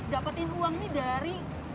dapetin uang dari